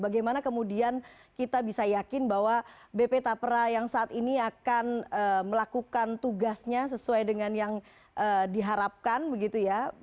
bagaimana kemudian kita bisa yakin bahwa bp tapra yang saat ini akan melakukan tugasnya sesuai dengan yang diharapkan begitu ya